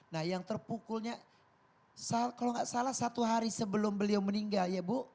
nah yang terpukulnya kalau nggak salah satu hari sebelum beliau meninggal ya bu